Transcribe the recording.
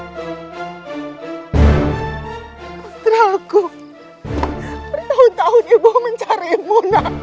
aku telah menunggu ibu bertahun tahun untuk menemukanmu